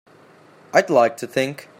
I'd like to think.